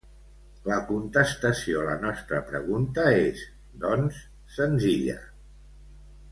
La contestació a la nostra pregunta és, doncs, senzilla.